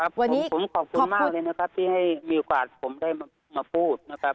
วันนี้ผมขอบคุณมากเลยนะครับที่ให้มีโอกาสผมได้มาพูดนะครับ